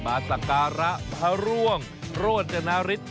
มาสังการะพระร่วงรวชนาฬิศ